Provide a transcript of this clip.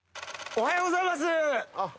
おはようございます。